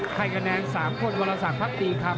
ให้คะแนน๓คนวรสักพักดีคำ